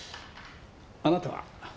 あなたは？